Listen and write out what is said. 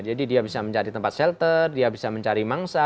jadi dia bisa mencari tempat shelter dia bisa mencari mangsa